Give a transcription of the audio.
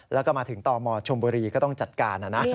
แล้วก็มาถึงตมชมบุรีก็ต้องจัดการนะนะ